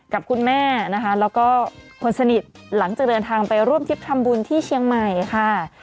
กับคุณแม่นะคะแล้วก็คนสนิทหลังจากเดินทางไปร่วมทริปทำบุญที่เชียงใหม่ค่ะ